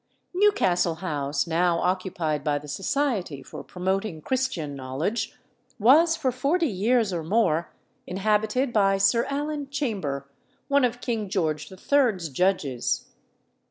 Newcastle House, now occupied by the Society for Promoting Christian Knowledge, was, for forty years or more, inhabited by Sir Alan Chambre, one of King George III.'s judges.